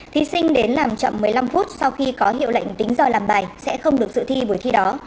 thí sinh đến làm chậm một mươi năm phút sau khi có hiệu lệnh tính giờ làm bài sẽ không được dự thi buổi thi đó